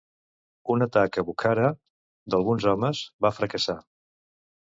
Un atac a Bukhara d'alguns homes va fracassar.